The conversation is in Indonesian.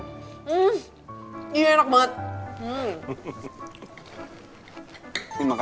nampak pula tiga jam ini banget main berhubungan pula itu tanpa